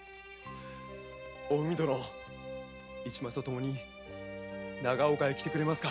おふみ殿市松と共に長岡へ来てくれますか。